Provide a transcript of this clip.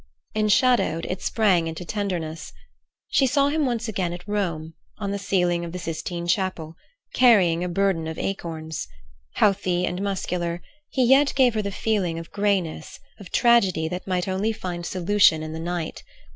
Enshadowed, it sprang into tenderness. She saw him once again at Rome, on the ceiling of the Sistine Chapel, carrying a burden of acorns. Healthy and muscular, he yet gave her the feeling of greyness, of tragedy that might only find solution in the night.